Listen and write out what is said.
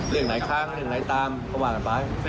เรียกไหนข้างเรียกไหนตามก็ว่ากันไป